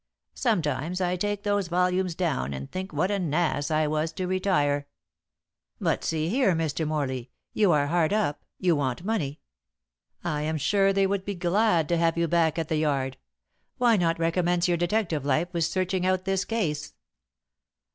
"Sometimes I take those volumes down and think what an ass I was to retire." "But see here, Mr. Morley. You are hard up; you want money. I am sure they would be glad to have you back at the Yard. Why not recommence your detective life with searching out this case?"